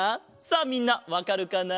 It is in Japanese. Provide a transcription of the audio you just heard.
さあみんなわかるかな？